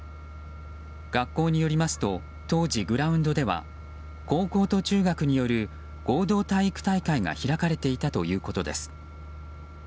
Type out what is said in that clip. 学校によりますと当時、グラウンドでは高校と中学による合同体育大会が開かれていたということです。